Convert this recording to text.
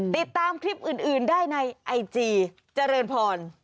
ติดตามคลิปอื่นได้ในไอจีเจริญพร